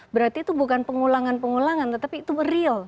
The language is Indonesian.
berarti itu bukan pengulangan pengulangan tetapi itu real